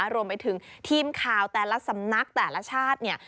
รวมไปถึงทีมคาวแต่ละสำนักแต่ละชาติ